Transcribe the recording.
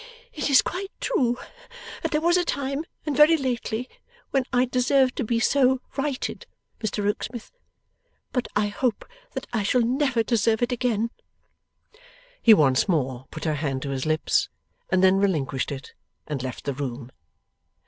'It is quite true that there was a time, and very lately, when I deserved to be so "righted," Mr Rokesmith; but I hope that I shall never deserve it again!' He once more put her hand to his lips, and then relinquished it, and left the room.